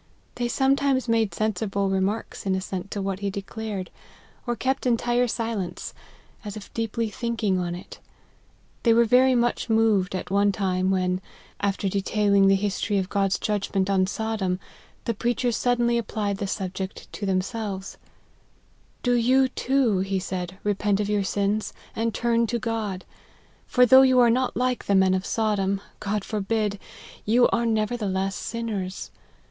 They sometimes made sensible remarks in assent to what he declared ; or kept entire silence, as if deeply thinking on it. They were very much moved, at one time, when, after detailing the history of God's judgment on 128 LIFE OF HENRY MARTYN. Sodom, the preacher suddenly applied the subject to themselves " Do you too," he said, " repent of your sins, and turn to God. For though you are not like the men of Sodom, God forbid ! you are never theless sinners.